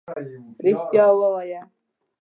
رښتيا ووايه.